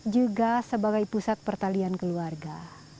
juga sebagai pusat pertalian keluarga